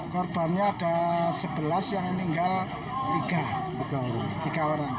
korbannya ada sebelas yang meninggal tiga orang